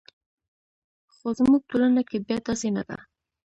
خو زموږ ټولنه کې بیا داسې نه ده.